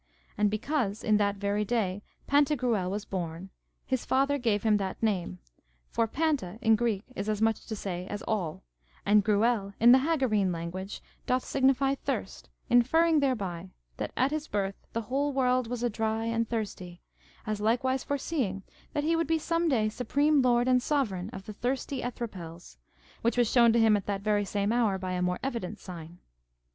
And because in that very day Pantagruel was born, his father gave him that name; for Panta in Greek is as much to say as all, and Gruel in the Hagarene language doth signify thirsty, inferring hereby that at his birth the whole world was a dry and thirsty, as likewise foreseeing that he would be some day supreme lord and sovereign of the thirsty Ethrappels, which was shown to him at that very same hour by a more evident sign.